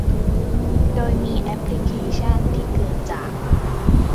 โดยมีแอปพลิเคชั่นที่เกิดจาก